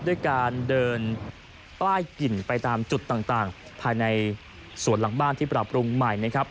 ด้วยการเดินใต้กลิ่นไปตามจุดต่างภายในสวนหลังบ้านที่ปรับปรุงใหม่นะครับ